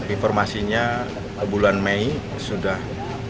informasinya bulan mei sudah